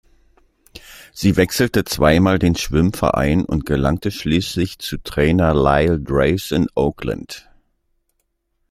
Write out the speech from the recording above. Sie wechselte zweimal den Schwimmverein und gelangte schließlich zu Trainer Lyle Draves in Oakland.